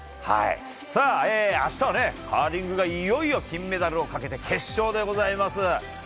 明日は、カーリングがいよいよをメダルをかけて決勝でございます。